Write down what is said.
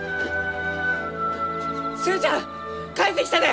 寿恵ちゃん帰ってきたで！